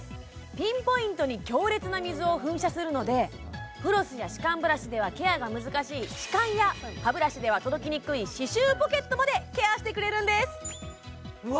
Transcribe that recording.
ピンポイントに強烈な水を噴射するのでフロスや歯間ブラシではケアが難しい歯間や歯ブラシでは届きにくい歯周ポケットまでケアしてくれるんですうわ